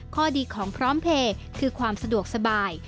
ข้อดีของพร้อมเพลย์คือความสะดวกสบาย